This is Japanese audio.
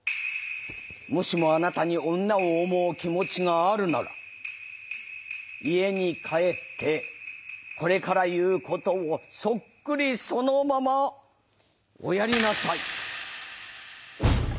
もしもあなたに女を思う気持ちがあるなら家に帰ってこれから言うことをそっくりそのままおやりなさい。